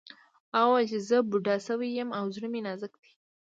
هغه وویل چې زه بوډا شوی یم او زړه مې نازک دی